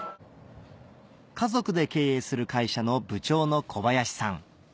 家族で経営する会社の部長の小林さん